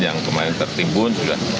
yang kemarin tertimbun